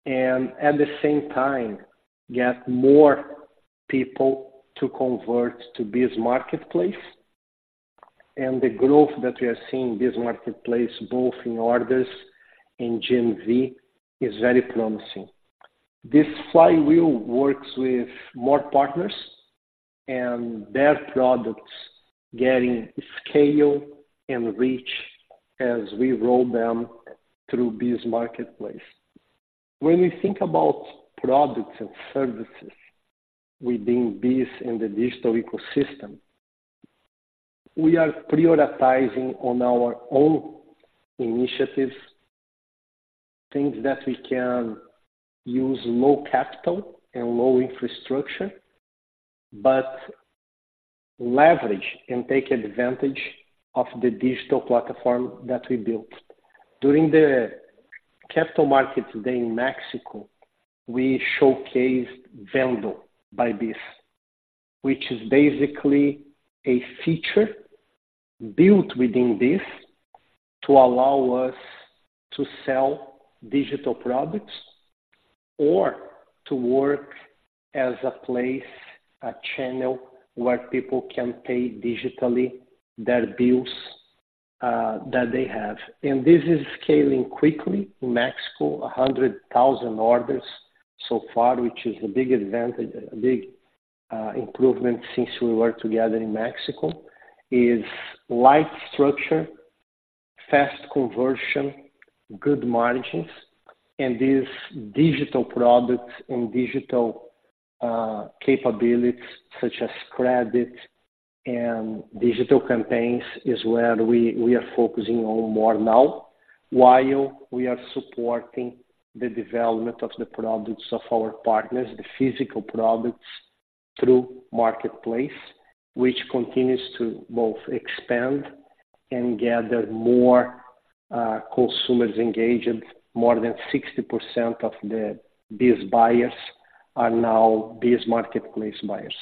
and at the same time, get more people to convert to this marketplace. And the growth that we are seeing in this marketplace, both in orders and GMV, is very promising. This flywheel works with more partners and their products getting scale and reach as we roll them through this marketplace. When we think about products and services within this and the digital ecosystem, we are prioritizing on our own initiatives, things that we can use low capital and low infrastructure, but leverage and take advantage of the digital platform that we built. During the Capital Market Day in Mexico, we showcased Vendo by BEES, which is basically a feature built within BEES, to allow us to sell digital products or to work as a place, a channel, where people can pay digitally their bills, that they have. And this is scaling quickly. In Mexico, 100,000 orders so far, which is a big advantage, a big improvement since we were together in Mexico, is light structure, fast conversion, good margins, and these digital products and digital capabilities such as credit and digital campaigns, is where we, we are focusing on more now, while we are supporting the development of the products of our partners, the physical products, through Marketplace, which continues to both expand and gather more consumers engaged. More than 60% of the BEES buyers are now BEES Marketplace buyers.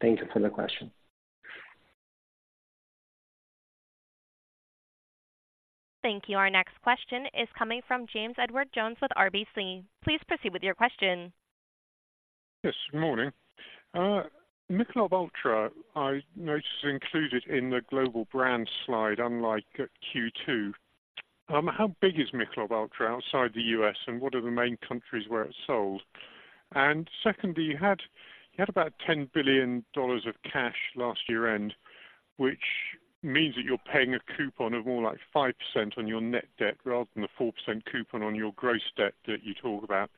Thank you for the question. Thank you. Our next question is coming from James Edwardes Jones with RBC. Please proceed with your question. Yes, good morning. Michelob ULTRA, I noticed, is included in the global brand slide, unlike Q2. How big is Michelob ULTRA outside the US, and what are the main countries where it's sold? And secondly, you had about $10 billion of cash last year end, which means that you're paying a coupon of more like 5% on your net debt, rather than the 4% coupon on your gross debt that you talk about.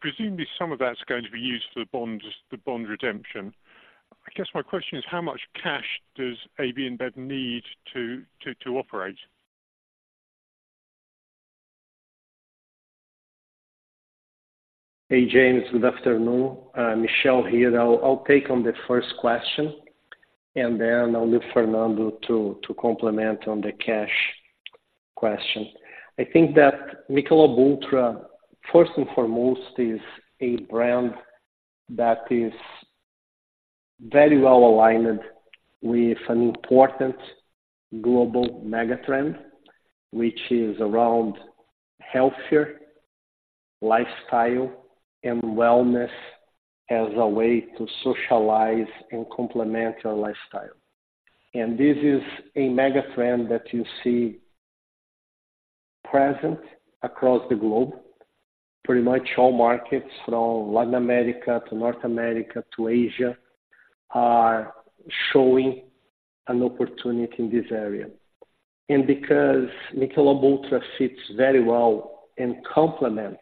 Presumably, some of that's going to be used for the bond, the bond redemption. I guess my question is: How much cash does AB InBev need to operate? Hey, James. Good afternoon. Michel here. I'll take on the first question, and then I'll leave Fernando to complement on the cash question. I think that Michelob ULTRA, first and foremost, is a brand that is very well aligned with an important global megatrend, which is around healthier lifestyle and wellness as a way to socialize and complement your lifestyle. This is a megatrend that you see present across the globe. Pretty much all markets, from Latin America to North America to Asia, are showing an opportunity in this area. Because Michelob ULTRA fits very well and complements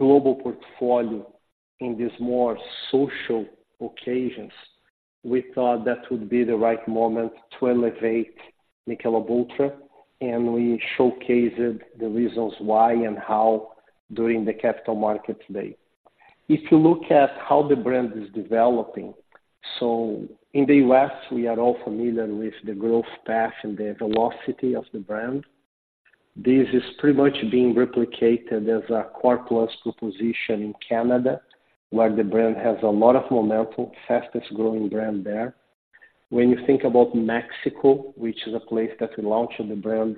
our global portfolio in these more social occasions, we thought that would be the right moment to elevate Michelob ULTRA, and we showcased the reasons why and how during the Capital Markets Day. If you look at how the brand is developing, so in the U.S., we are all familiar with the growth path and the velocity of the brand. This is pretty much being replicated as a core plus proposition in Canada, where the brand has a lot of momentum, fastest growing brand there. When you think about Mexico, which is a place that we launched the brand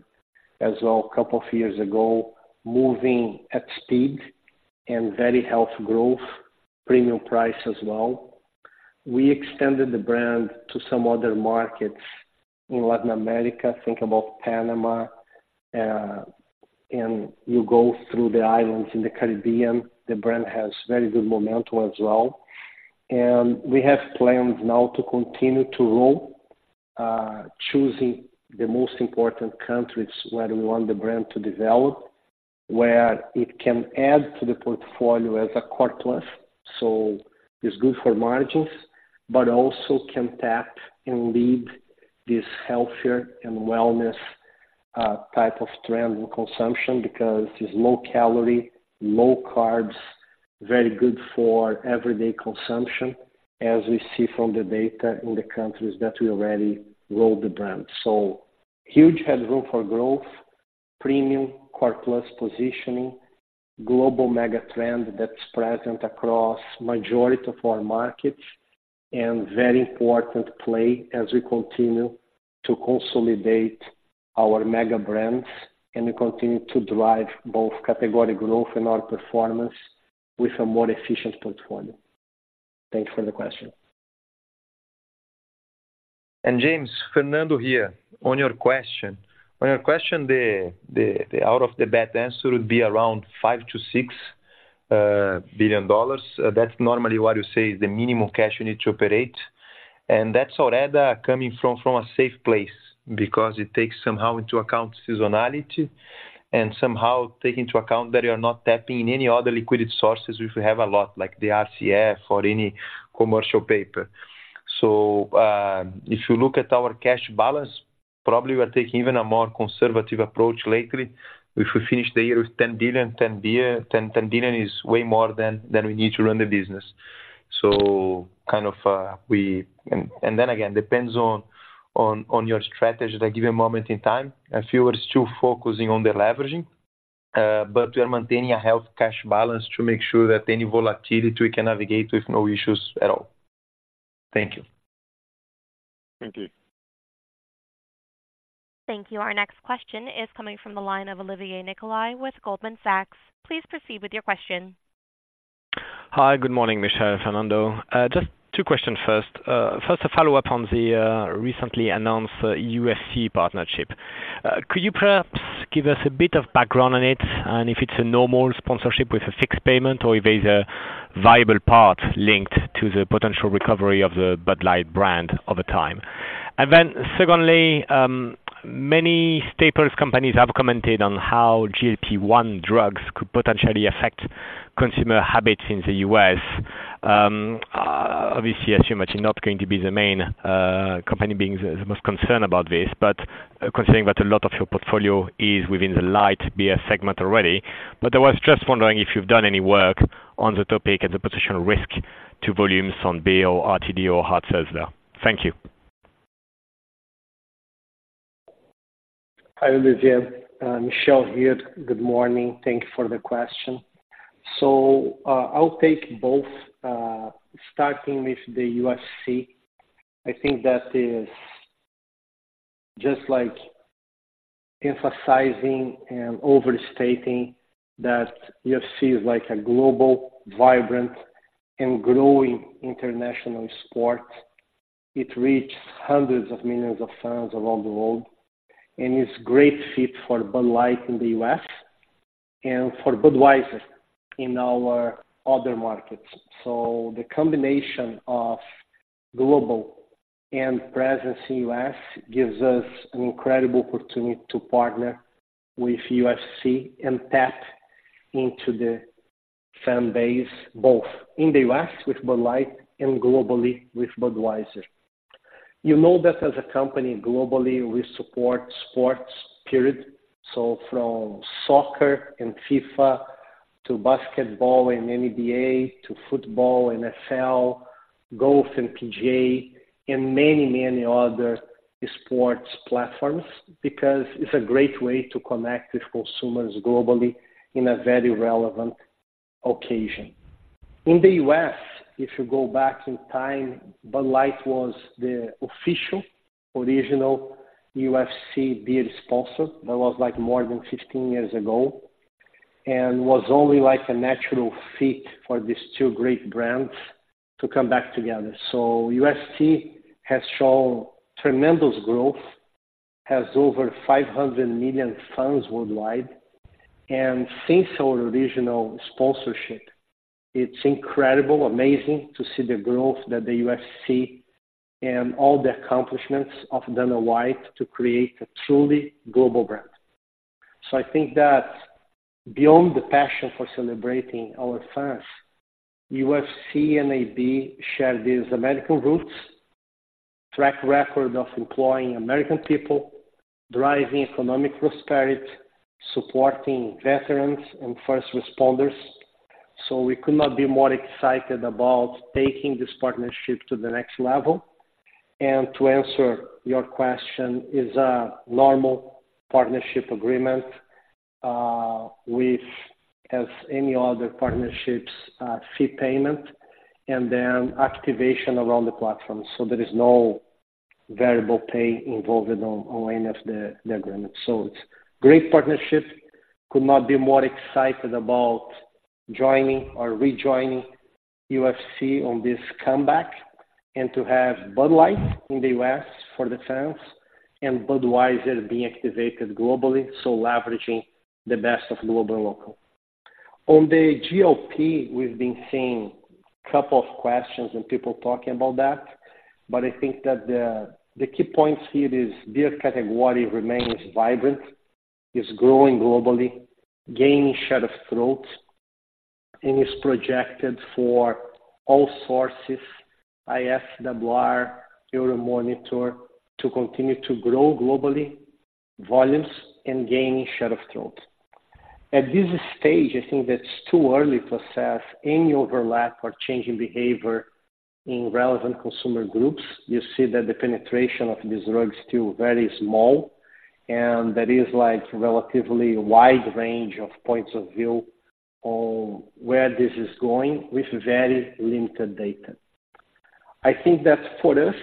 as well, a couple of years ago, moving at speed and very healthy growth, premium price as well. We extended the brand to some other markets in Latin America. Think about Panama, and you go through the islands in the Caribbean, the brand has very good momentum as well. And we have plans now to continue to roll, choosing the most important countries where we want the brand to develop, where it can add to the portfolio as a core plus. So it's good for margins, but also can tap and lead this healthier and wellness type of trend in consumption, because it's low calorie, low carbs, very good for everyday consumption, as we see from the data in the countries that we already rolled the brand. So huge headroom for growth, premium core plus positioning, global mega trend that's present across majority of our markets, and very important play as we continue to consolidate our mega brands and we continue to drive both category growth and our performance with a more efficient portfolio. Thank you for the question. James, Fernando here. On your question, the off the bat answer would be around $5 billion-$6 billion. That's normally what you say is the minimum cash you need to operate. And that's already coming from a safe place because it takes somehow into account seasonality and somehow take into account that you are not tapping in any other liquidity sources, which we have a lot like the RCF or any commercial paper. So, if you look at our cash balance probably we are taking even a more conservative approach lately, which we finished the year with $10 billion. $10 billion is way more than we need to run the business. So kind of, and then again, depends on your strategy at a given moment in time. I feel we're still focusing on the leveraging, but we are maintaining a healthy cash balance to make sure that any volatility we can navigate with no issues at all. Thank you. Thank you. Thank you. Our next question is coming from the line of Olivier Nicolai with Goldman Sachs. Please proceed with your question. Hi, good morning, Michel, Fernando. Just two questions first. First, a follow-up on the recently announced UFC partnership. Could you perhaps give us a bit of background on it, and if it's a normal sponsorship with a fixed payment or if there's a viable part linked to the potential recovery of the Bud Light brand over time? And then secondly, many staples companies have commented on how GLP-1 drugs could potentially affect consumer habits in the US. Obviously, I assume that you're not going to be the main company being the most concerned about this, but considering that a lot of your portfolio is within the light beer segment already. But I was just wondering if you've done any work on the topic and the potential risk to volumes on beer or RTD or hard seltzer. Thank you. Hi, Olivier. Michel here. Good morning. Thank you for the question. So, I'll take both, starting with the UFC. I think that is just like emphasizing and overstating that UFC is like a global, vibrant, and growing international sport. It reaches hundreds of millions of fans around the world, and it's great fit for Bud Light in the U.S. and for Budweiser in our other markets. So the combination of global and presence in U.S. gives us an incredible opportunity to partner with UFC and tap into the fan base, both in the U.S. with Bud Light and globally with Budweiser. You know that as a company, globally, we support sports, period. So from soccer and FIFA to basketball and NBA, to football, NFL, golf and PGA, and many, many other e-sports platforms, because it's a great way to connect with consumers globally in a very relevant occasion. In the US, if you go back in time, Bud Light was the official, original UFC beer sponsor. That was like more than 15 years ago, and was only like a natural fit for these two great brands to come back together. So UFC has shown tremendous growth, has over 500 million fans worldwide, and since our original sponsorship, it's incredible, amazing to see the growth that the UFC and all the accomplishments of Dana White to create a truly global brand. So I think that beyond the passion for celebrating our fans, UFC and AB share these American roots, track record of employing American people, driving economic prosperity, supporting veterans and first responders. So we could not be more excited about taking this partnership to the next level. And to answer your question, it is a normal partnership agreement, with, as any other partnerships, fee payment and then activation around the platform. So there is no variable pay involved on any of the agreements. So it's great partnership. Could not be more excited about joining or rejoining UFC on this comeback and to have Bud Light in the U.S. for the fans and Budweiser being activated globally, so leveraging the best of global and local. On the GLP, we've been seeing a couple of questions and people talking about that, but I think that the key points here is beer category remains vibrant, is growing globally, gaining share of throat, and is projected for all sources, IWSR, Euromonitor, to continue to grow globally, volumes and gaining share of throat. At this stage, I think that it's too early to assess any overlap or change in behavior in relevant consumer groups. You see that the penetration of this drug is still very small, and that is like relatively wide range of points of view on where this is going with very limited data. I think that for us,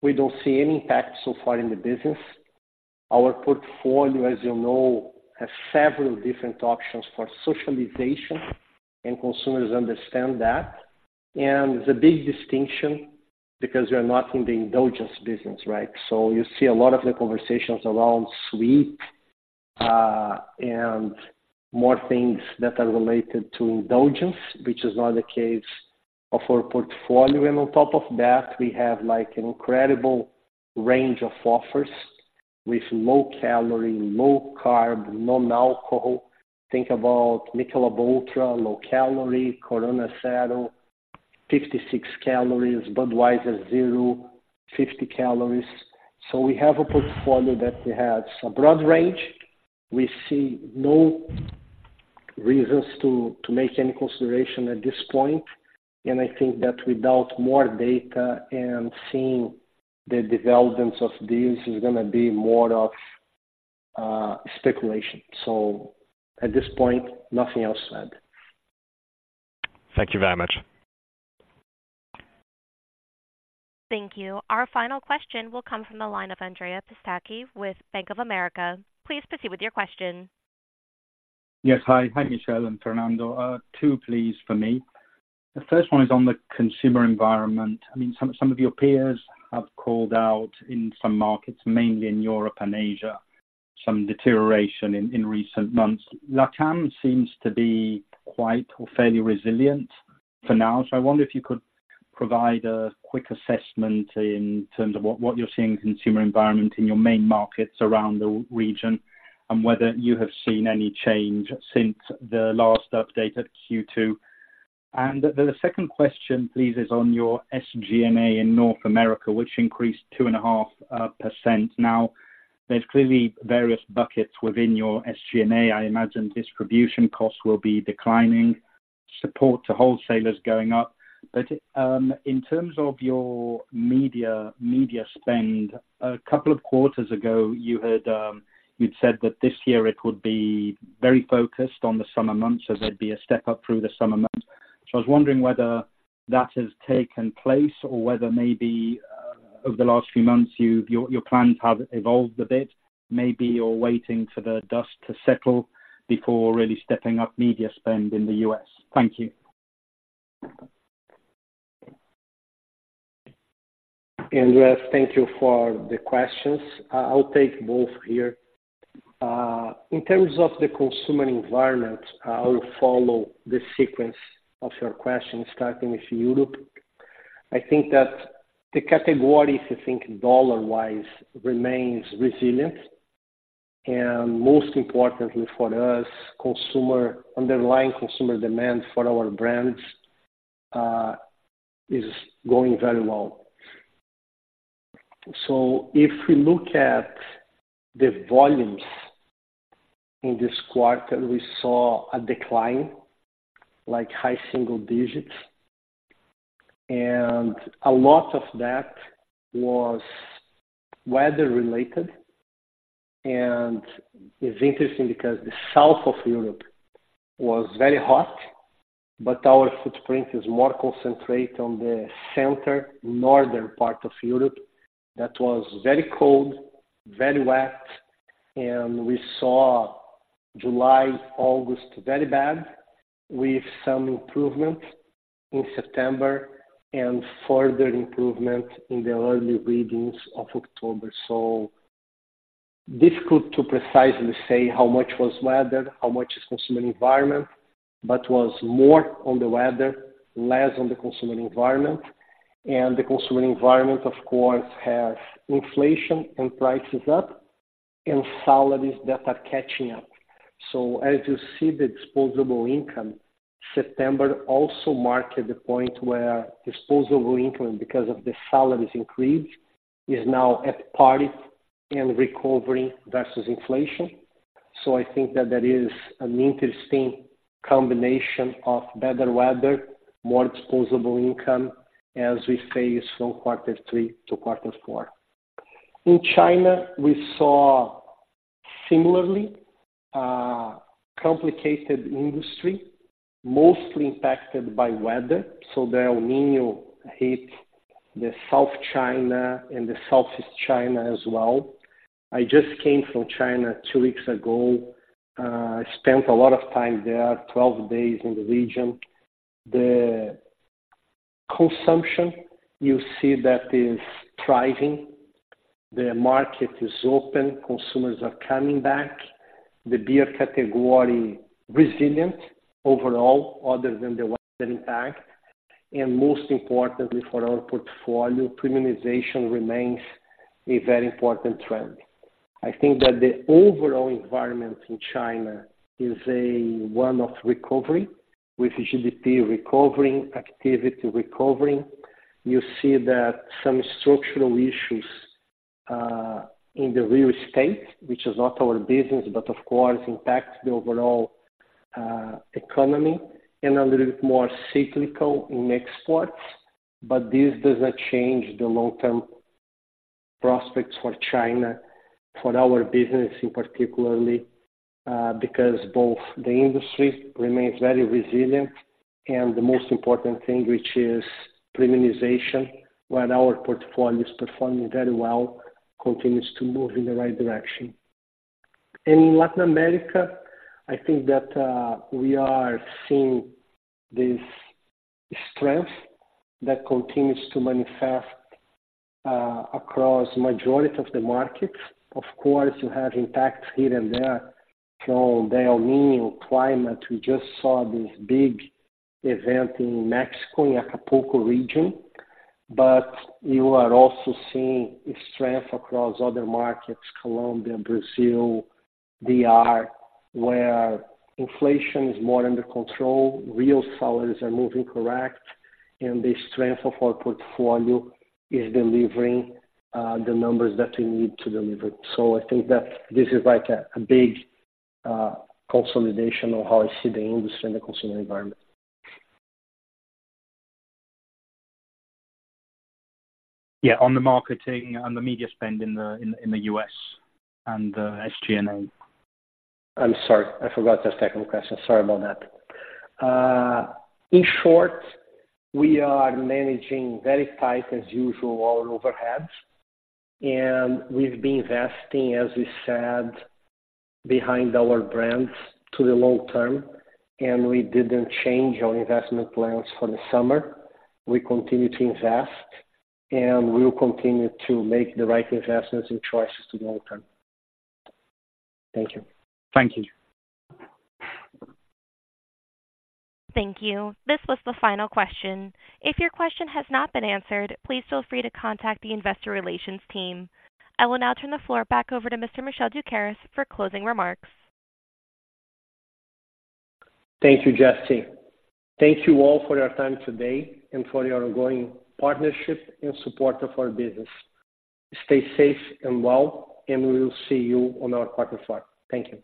we don't see any impact so far in the business. Our portfolio, as you know, has several different options for socialization, and consumers understand that. It's a big distinction because we're not in the indulgence business, right? So you see a lot of the conversations around sweet, and more things that are related to indulgence, which is not the case of our portfolio. And on top of that, we have like an incredible range of offers with low calorie, low carb, non-alcohol. Think about Michelob ULTRA, low calorie, Corona Cero, 56 calories, Budweiser Zero, 50 calories. So we have a portfolio that we have a broad range. We see no reasons to make any consideration at this point, and I think that without more data and seeing the developments of this is going to be more of speculation. So at this point, nothing else said. Thank you very much. Thank you. Our final question will come from the line of Andrea Pistacchi with Bank of America. Please proceed with your question. Yes. Hi, Michel and Fernando. Two, please, for me. The first one is on the consumer environment. I mean, some, some of your peers have called out in some markets, mainly in Europe and Asia, some deterioration in, in recent months. LatAm seems to be quite or fairly resilient for now. So I wonder if you could provide a quick assessment in terms of what, what you're seeing in consumer environment in your main markets around the region, and whether you have seen any change since the last update at Q2. And the, the second question, please, is on your SG&A in North America, which increased 2.5%. Now, there's clearly various buckets within your SG&A. I imagine distribution costs will be declining, support to wholesalers going up. But in terms of your media spend, a couple of quarters ago, you had. You'd said that this year it would be very focused on the summer months, so there'd be a step up through the summer months. So I was wondering whether that has taken place or whether maybe, over the last few months, your plans have evolved a bit. Maybe you're waiting for the dust to settle before really stepping up media spend in the U.S. Thank you. Andrea, thank you for the questions. I'll take both here. In terms of the consumer environment, I will follow the sequence of your question, starting with Europe. I think that the category, I think dollar-wise, remains resilient, and most importantly for us, consumer underlying consumer demand for our brands, is going very well. So if we look at the volumes in this quarter, we saw a decline, like high single-digits, and a lot of that was weather related. And it's interesting because the south of Europe was very hot, but our footprint is more concentrated on the center, northern part of Europe. That was very cold, very wet, and we saw July, August, very bad, with some improvement in September and further improvement in the early readings of October. So difficult to precisely say how much was weather, how much is consumer environment, but was more on the weather, less on the consumer environment. The consumer environment, of course, has inflation and prices up and salaries that are catching up. So as you see, the disposable income, September also marked the point where disposable income, because of the salaries increased, is now at parity and recovery versus inflation. So I think that that is an interesting combination of better weather, more disposable income, as we face from quarter three to quarter four. In China, we saw similarly, complicated industry, mostly impacted by weather. So the El Niño hit the South China and the Southeast China as well. I just came from China two weeks ago. I spent a lot of time there, 12 days in the region. The consumption, you see that is thriving. The market is open, consumers are coming back. The beer category, resilient overall, other than the weather impact, and most importantly for our portfolio, premiumization remains a very important trend. I think that the overall environment in China is one of recovery, with GDP recovering, activity recovering. You see that some structural issues in the real estate, which is not our business, but of course, impacts the overall economy and a little bit more cyclical in exports, but this does not change the long-term prospects for China, for our business in particular, because both the industry remains very resilient and the most important thing, which is premiumization, where our portfolio is performing very well, continues to move in the right direction. In Latin America, I think that we are seeing this strength that continues to manifest across majority of the markets. Of course, you have impacts here and there from the El Niño climate. We just saw this big event in Mexico, in Acapulco region, but you are also seeing strength across other markets, Colombia, Brazil. They are where inflation is more under control, real salaries are moving correct, and the strength of our portfolio is delivering the numbers that we need to deliver. So I think that this is like a big consolidation of how I see the industry and the consumer environment. Yeah, on the marketing, on the media spend in the U.S. and the SG&A. I'm sorry. I forgot the second question. Sorry about that. In short, we are managing very tight, as usual, our overheads, and we've been investing, as we said, behind our brands to the long term, and we didn't change our investment plans for the summer. We continue to invest, and we will continue to make the right investments and choices to the long term. Thank you. Thank you. Thank you. This was the final question. If your question has not been answered, please feel free to contact the investor relations team. I will now turn the floor back over to Mr. Michel Doukeris for closing remarks. Thank you, Jesse. Thank you all for your time today and for your ongoing partnership and support of our business. Stay safe and well, and we will see you on our quarter four. Thank you.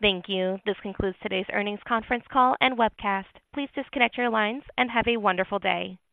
Thank you. This concludes today's earnings conference call and webcast. Please disconnect your lines and have a wonderful day.